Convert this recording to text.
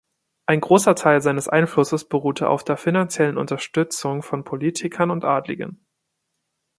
Ein großer Teil seines Einflusses beruhte auf der finanziellen Unterstützung von Politikern und Adligen.